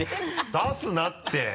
出すなって！